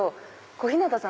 小日向さん